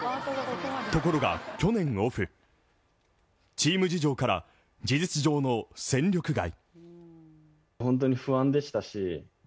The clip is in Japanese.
ところが、去年のオフ、チーム事情から事実上の戦力外。